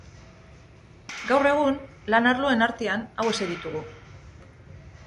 Gaur egun, lan-arloen artean hauexek ditugu.